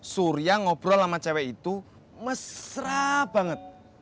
surya ngobrol sama cewek itu mesra banget